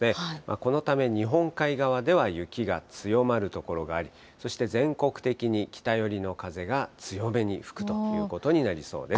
このため、日本海側では雪が強まる所があり、そして全国的に北寄りの風が強めに吹くということになりそうです。